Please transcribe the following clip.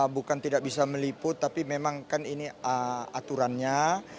bukan tidak bisa meliput tapi memang kan ini aturannya